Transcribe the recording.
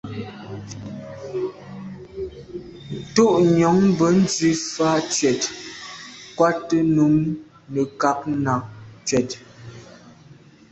Ntù njon bènzwi fa tshwèt nkwate num nekag nà tshwèt.